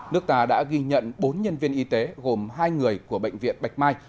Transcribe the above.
nước ta đã ghi nhận bốn nhân viên y tế gồm hai người của bệnh viện bạch mai